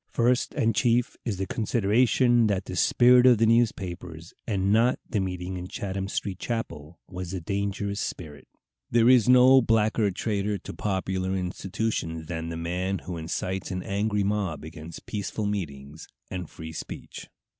First and chief is the consideration that the spirit of the newspapers, and not of the meeting in Chatham Street chapel, was the dangerous spirit. There is no blacker traitor to popular institutions than the man who incites an angry mob against peaceful meetings and free speech.